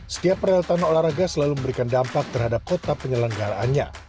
setiap perhelatan olahraga selalu memberikan dampak terhadap kota penyelenggaraannya